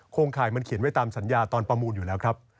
งข่ายมันเขียนไว้ตามสัญญาตอนประมูลอยู่แล้วครับ